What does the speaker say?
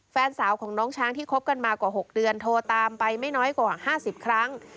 แฟนสาวของน้องช้างที่คบกันมากว่า๖เดือนโทรตามไปไม่น้อยกว่า๕๐ครั้ง